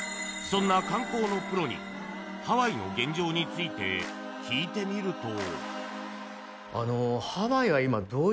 そんな観光のプロに、ハワイの現状について聞いてみると。